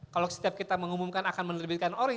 kalau setiap kita mengumumkan akan menerbitkan ori